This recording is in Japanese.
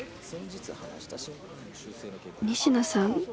仁科さん